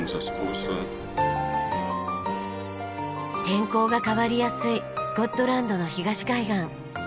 天候が変わりやすいスコットランドの東海岸。